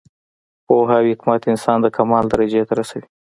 پوهه او حکمت انسان د کمال درجې ته رسوي.